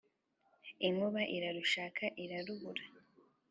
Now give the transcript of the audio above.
inkuba irarushaka irarubura.